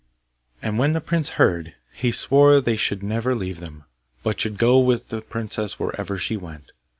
And when the prince heard, he swore they should never leave them, but should go with the princess wherever she went.